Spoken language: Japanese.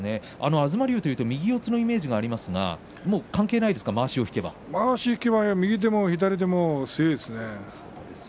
東龍というと右四つのイメージがありますが右でも左でも強いですね。